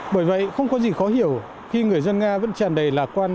bởi vậy không có gì khó hiểu khi người dân nga vẫn tràn đầy lạc quan